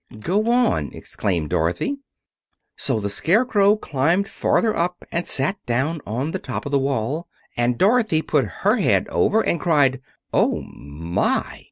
"Go on," exclaimed Dorothy. So the Scarecrow climbed farther up and sat down on the top of the wall, and Dorothy put her head over and cried, "Oh, my!"